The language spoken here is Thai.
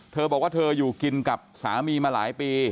เธอบอกว่าเธออยู่กินกับสามีมาหลายปี